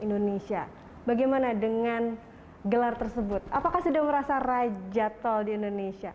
indonesia bagaimana dengan gelar tersebut apakah sudah merasa raja tol di indonesia